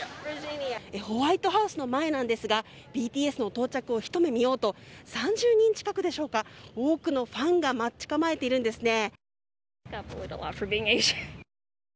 ホワイトハウスの前ですがＢＴＳの到着をひと目見ようと３０人近くでしょうか多くのファンが待ち構えているんですね。